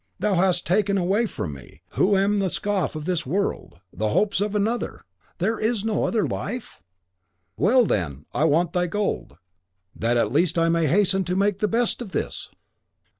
Thou hast taken away from me, who am the scoff of this world, the hopes of another! Is there no other life? Well, then, I want thy gold, that at least I may hasten to make the best of this!"